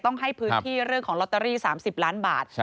ให้พื้นที่เรื่องของลอตเตอรี่๓๐ล้านบาท